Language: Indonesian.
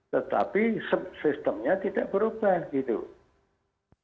tetapi sistemnya tidak berubah